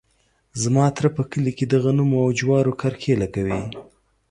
زما تره په کلي کې د غنمو او جوارو کرکیله کوي.